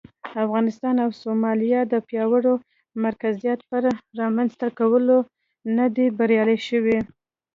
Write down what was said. افغانستان او سومالیا د پیاوړي مرکزیت پر رامنځته کولو نه دي بریالي شوي.